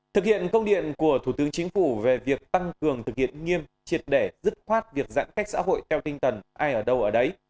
thực hiện công điện của thủ tướng chính phủ về việc tăng cường thực hiện nghiêm triệt để dứt khoát việc giãn cách xã hội theo tinh thần ai ở đâu ở đấy